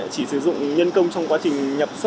chỉ sử dụng nhân công trong quá trình nhập sở